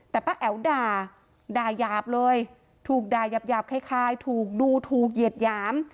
แต่ป้าแอ๋วด่าด่ายาบเลยถูกด่ายาบคล้ายถูกดูถูกเหยียดหยาม